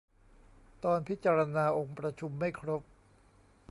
ตอนพิจารณาองค์ประชุมไม่ครบ